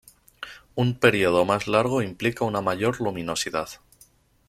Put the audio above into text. Un período más largo implica una mayor luminosidad.